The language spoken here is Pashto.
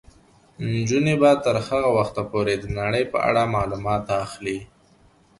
نجونې به تر هغه وخته پورې د نړۍ په اړه معلومات اخلي.